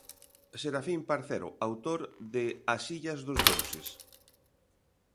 Serafín Parcero, autor de 'As illas dos deuses'.